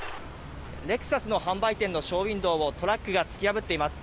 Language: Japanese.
レクサスの販売店のショーウインドーをトラックが突き破っています。